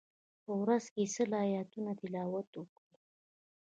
په ورځ کی سل آیتونه تلاوت وکړئ.